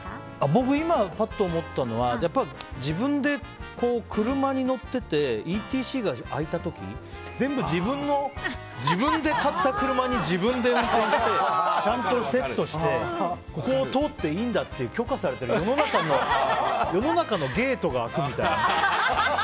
僕、今ぱっと思ったのは自分で車に乗っててＥＴＣが開いた時自分で買った車に自分で運転してちゃんとセットして通っていいんだっていう許可されてるっていう世の中のゲートが開くという。